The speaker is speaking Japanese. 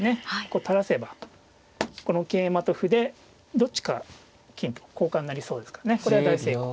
こう垂らせばこの桂馬と歩でどっちか金と交換になりそうですからねこれは大成功。